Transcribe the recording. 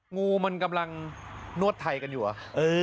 งูมันกำลังนวดไทยกันอยู่เหรอ